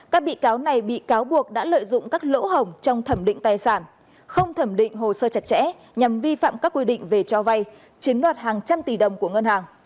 các bị cáo này bị cáo buộc đã lợi dụng các lỗ hồng trong thẩm định tài sản không thẩm định hồ sơ chặt chẽ nhằm vi phạm các quy định về cho vay chiếm đoạt hàng trăm tỷ đồng của ngân hàng